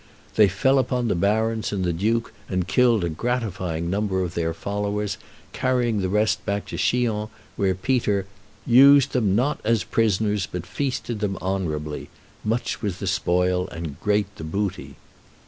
They fell upon the barons and the duke, and killed a gratifying number of their followers, carrying the rest back to Chillon, where Peter "used them not as prisoners, but feasted them honorably. Much was the spoil and great the booty."